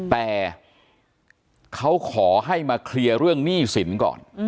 แต่เขาขอให้มาเคลียร์เรื่องหนี้สินก่อน